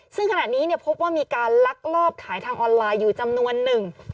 ซึ่งขณะนี้พบว่ามีการลักลอบขายทางออนไลน์อยู่จำนวนหนึ่ง